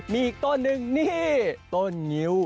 มีอีกต้นหนึ่งนี่ต้นงิ้ว